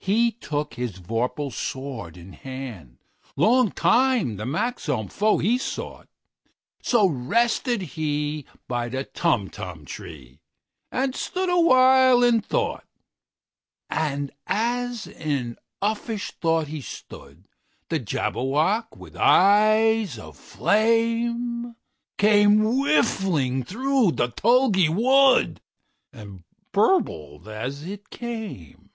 He took his vorpal sword in hand:Long time the manxome foe he sought—So rested he by the Tumtum tree, And stood awhile in thought. And as in uffish thought he stood, The Jabberwock, with eyes of flame, Came whiffling through the tulgey wood, And burbled as it came!